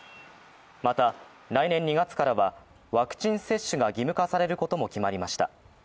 また、来年２月からはワクチン接種が義務化されることも決まりました。